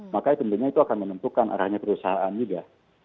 maka itu akan menentukan arahnya perusahaan juga